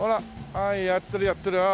ああやってるやってる。